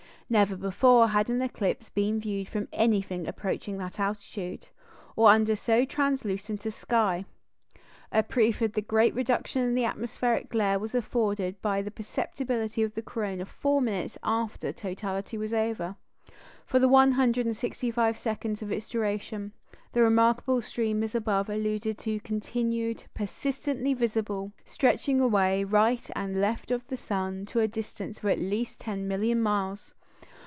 Never before had an eclipse been viewed from anything approaching that altitude, or under so translucent a sky. A proof of the great reduction in atmospheric glare was afforded by the perceptibility of the corona four minutes after totality was over. For the 165 seconds of its duration, the remarkable streamers above alluded to continued "persistently visible," stretching away right and left of the sun to a distance of at least ten million miles!